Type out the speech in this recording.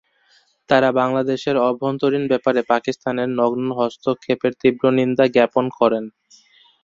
তারা বাংলাদেশের অভ্যন্তরীণ ব্যাপারে পাকিস্তানের নগ্ন হস্তক্ষেপের তীব্র নিন্দা জ্ঞাপন করেন।